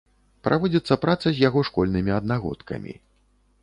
Праводзіцца праца з яго школьнымі аднагодкамі.